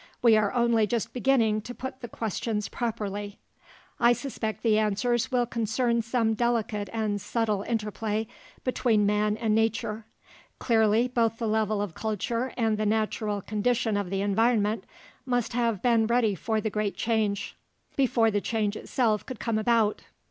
We are only just beginning to put the questions properly. I suspect the answers will concern some delicate and subtle interplay between man and nature. Clearly, both the level of culture and the natural condition of the environment must have been ready for the great change, before the change itself could come about.